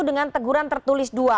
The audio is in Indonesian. dengan teguran tertulis dua